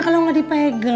kalau gak dipegel